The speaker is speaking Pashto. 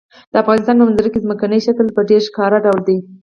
د افغانستان په منظره کې ځمکنی شکل په ډېر ښکاره ډول دی.